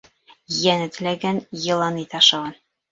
Йәне теләгән йылан ите ашаған.